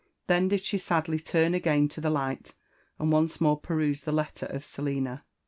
Then did she sadly turn again to the light, and once more p^use the letter of Selina.